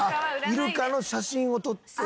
イルカの写真を撮って。